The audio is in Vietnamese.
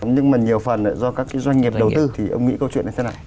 nhưng mà nhiều phần do các doanh nghiệp đầu tư thì ông nghĩ câu chuyện này thế nào